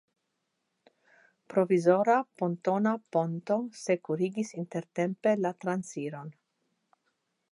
Provizora pontona poonto sekurigis intertempe la transiron.